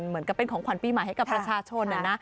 เหมือนกับเป็นของขวัญปีใหม่ให้กับประชาชน